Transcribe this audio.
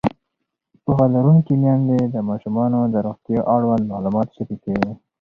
پوهه لرونکې میندې د ماشومانو د روغتیا اړوند معلومات شریکوي.